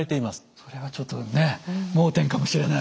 それはちょっとね盲点かもしれない。